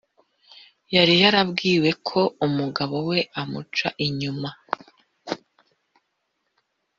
yari yarabwiwe ko umugabo we amuca inyuma